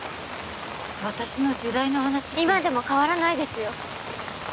私の時代の話って今でも変わらないですよ